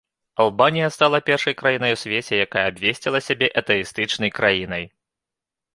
Албанія стала першай краінай у свеце, якая абвясціла сябе атэістычнай краінай.